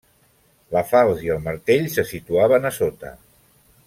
La falç i el martell se situaven a sota.